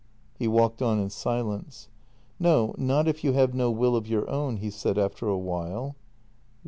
He walked on in silence. " No, not if you have no will of your own," he said after a while.